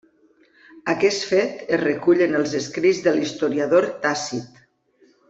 Aquest fet es recull en els escrits de l'historiador Tàcit.